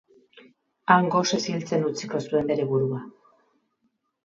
Han gosez hiltzen utziko zuen bere burua.